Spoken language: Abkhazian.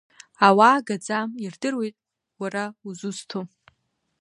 Ауаа гаӡам, ирдыруеит уара узусҭоу.